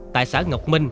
tại xã ngọc minh